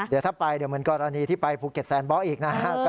เดี๋ยวถ้าไปเดี๋ยวเหมือนกับอันนี้ที่ไปภูเก็ตแซนบ๊อคอีกนะ